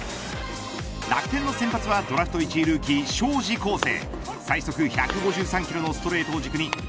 楽天の先発はドラフト１位ルーキー荘司康誠。